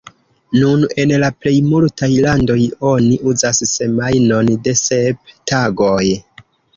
Nun en la plej multaj landoj oni uzas semajnon de sep tagoj.